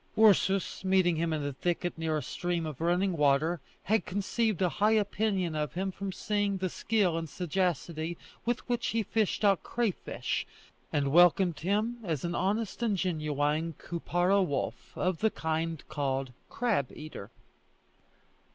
Ursus meeting him in a thicket near a stream of running water, had conceived a high opinion of him from seeing the skill and sagacity with which he fished out crayfish, and welcomed him as an honest and genuine Koupara wolf of the kind called crab eater.